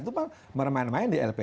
itu kan main main di lp